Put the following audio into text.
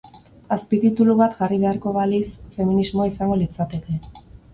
Azpititulu bat jarri beharko baliz, feminismoa izango litzateke.